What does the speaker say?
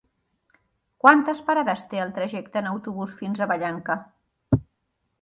Quantes parades té el trajecte en autobús fins a Vallanca?